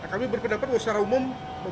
kami berpendapat secara umum